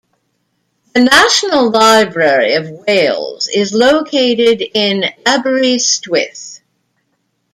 The National Library of Wales is located in Aberystwyth.